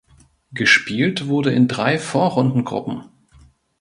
Gespielt wurde in drei Vorrundengruppen.